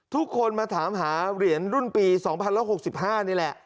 ทุกคนมาถามหาเหรียญรุ่นปี๒๐๖๕นี่แหละ